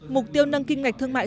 mục tiêu nâng kinh ngạch thương mại